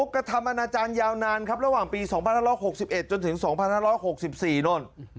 กระทำอนาจารย์ยาวนานครับระหว่างปี๒๕๖๑จนถึง๒๕๖๔โน่น